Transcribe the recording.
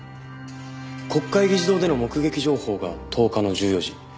国会議事堂での目撃情報が１０日の１４時。